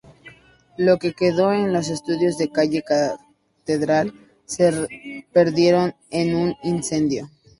Lo que quedó en los estudios de calle Catedral, se perdieron en un incendio.